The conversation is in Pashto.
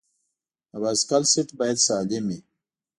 د بایسکل سیټ باید سالم وي.